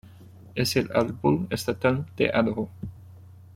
Es el árbol estatal de Idaho.